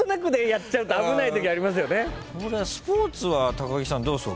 スポーツは木さんどうですか？